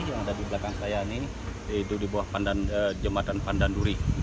yang ada di belakang saya ini yaitu di bawah jembatan pandan duri